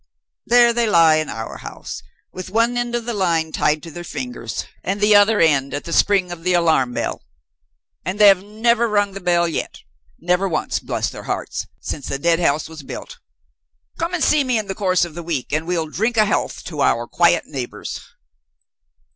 There they lie in our house, with one end of the line tied to their fingers, and the other end at the spring of the alarm bell. And they have never rung the bell yet never once, bless their hearts, since the Deadhouse was built! Come and see me in the course of the week, and we'll drink a health to our quiet neighbors."